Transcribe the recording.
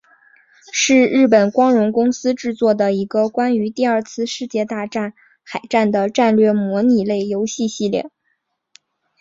是日本光荣公司制作的一个关于第二次世界大战海战的战略模拟类游戏系列。